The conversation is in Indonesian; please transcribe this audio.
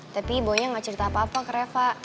tapi boynya gak cerita apa apa ke reva